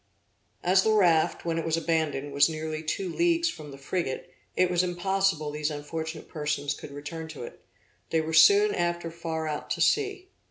As the raft, when it was abandoned, was nearly two leagues from the frigate, it was impossible these unfortunate persons could return to it; they were soon after far out to sea.